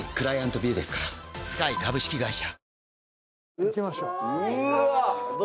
行きましょう。